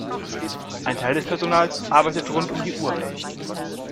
Ein Teil des Personals arbeitet rund um die Uhr.